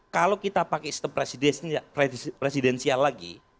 kalau kita pakai sistem presidensial lagi